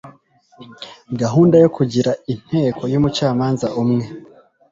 gahunda yo kugira inteko y'umucamanza umwe